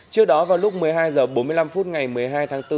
trước đó vào lúc một mươi hai h bốn mươi năm phút ngày một mươi hai tháng bốn